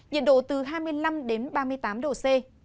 nhiệt độ từ hai mươi năm đến ba mươi tám độ c